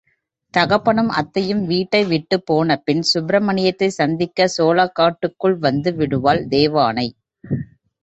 தகப்பனும் அத்தையும் வீட்டை விட்டுப் போன பின் சுப்பிரமணியத்தைச் சந்திக்கச் சோளக் காட்டுக்குள் வந்து விடுவாள் தேவானை!